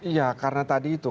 ya karena tadi itu